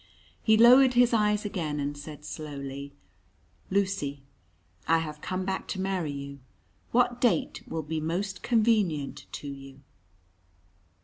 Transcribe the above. He lowered his eyes again, and said slowly: "Lucy, I have come back to marry you. What date will be most convenient to you?"